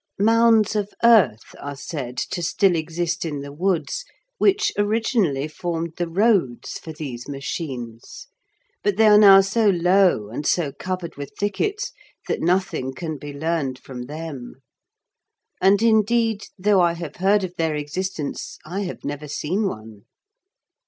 Mounds of earth are said to still exist in the woods, which originally formed the roads for these machines, but they are now so low, and so covered with thickets, that nothing can be learnt from them; and, indeed, though I have heard of their existence, I have never seen one.